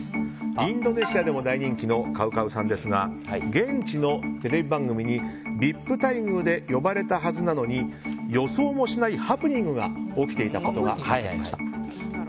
インドネシアでも大人気のＣＯＷＣＯＷさんですが現地のテレビ番組にＶＩＰ待遇で呼ばれたはずなのに予想もしないハプニングが起きていたことが分かりました。